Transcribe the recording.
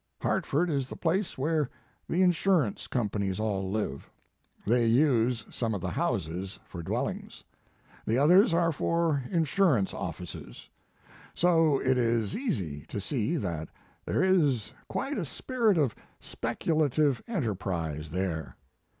Hartford is the place where the insurance companies all live. They use some of the houses for dwellings. The others are for insurance offices. So it is easy to see that there is quite a spirit of speculative enterprise there.